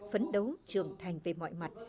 phấn đấu trưởng thành về mọi mặt